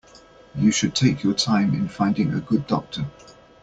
You should take your time in finding a good doctor.